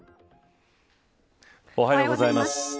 おはようございます。